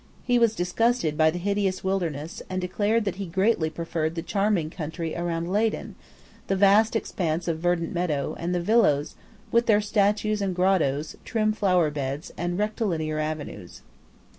He was disgusted by the hideous wilderness, and declared that he greatly preferred the charming country round Leyden, the vast expanse of verdant meadow, and the villas with their statues and grottoes, trim flower beds, and rectilinear avenues.